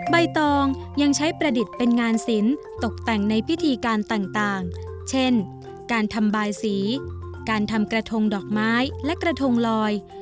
ใบตองยังใช้ประดิษฐ์เป็นงานศิลป์ตกแต่งในพิธีการต่างเช่นการทำบายสีการทำกระทงดอกไม้และกระทงลอย